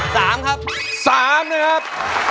๓นะครับ